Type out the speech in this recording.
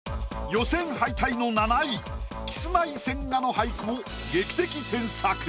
予選敗退の７位キスマイ千賀の俳句を劇的添削。